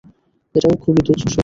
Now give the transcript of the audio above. এটাও খুবই তুচ্ছ শর্ত।